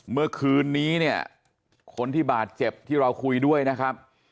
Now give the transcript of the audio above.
เมื่อคืนนี้เนี่ยคนที่บาดเจ็บที่เราคุยด้วยนะครับ